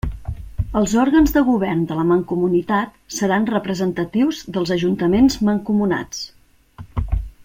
Els òrgans de govern de la Mancomunitat seran representatius dels ajuntaments mancomunats.